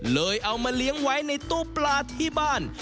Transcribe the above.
เอามาเลี้ยงไว้ในตู้ปลาที่บ้าน